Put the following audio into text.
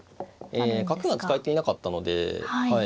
ええ角が使えていなかったので。